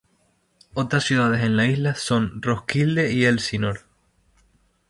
Otras ciudades en la isla son Roskilde y Elsinor.